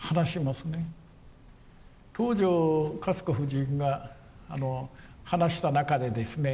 東條かつこ夫人が話した中でですね